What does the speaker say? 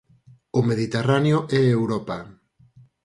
O Mediterráneo é Europa.